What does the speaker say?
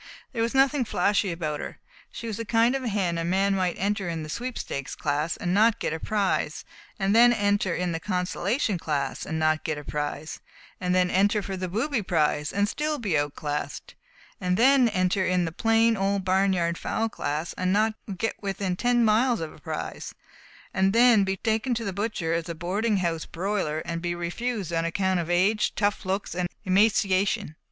There was nothing flashy about her. She was the kind of hen a man might enter in the Sweepstakes class, and not get a prize, and then enter in the Consolation class and not get a prize, and then enter for the Booby prize and still be outclassed, and then enter in the Plain Old Barnyard Fowl class and not get within ten miles of a prize, and then be taken to the butcher as a Boarding House Broiler, and be refused on account of age, tough looks, and emaciation.